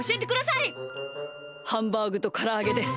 ハンバーグとからあげです。